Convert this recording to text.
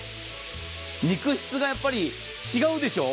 肉質がやっぱり違うでしょう。